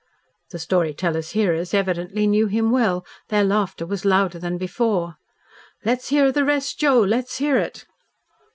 The storyteller's hearers evidently knew him well. Their laughter was louder than before. "Let's hear the rest, Joe! Let's hear it!"